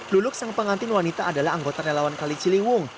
luluk sang pengantin wanita adalah anggota nelawan kaliciliwung